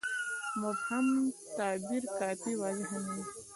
مبهم تعبیر کافي واضحه نه وي.